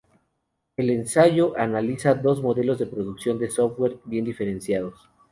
El ensayo analiza dos modelos de producción de software bien diferenciados.